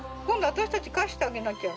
Ｅ私たち返してあげなきゃ。